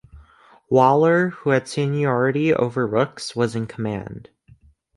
Waller, who had seniority over Rooks, was in command.